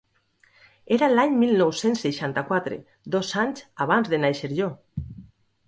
Era l'any mil nou-cents seixanta-quatre, dos anys abans de nàixer jo.